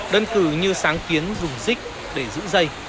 đơn cử như sáng kiến dùng dích để giữ dây